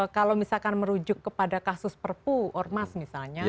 kalau misalkan merujuk kepada kasus perpu ormas misalnya